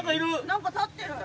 何か立ってる。